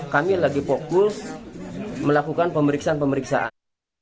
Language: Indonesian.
kami lagi fokus melakukan pemeriksaan pemeriksaan